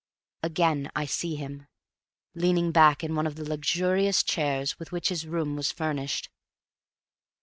Again I see him, leaning back in one of the luxurious chairs with which his room was furnished.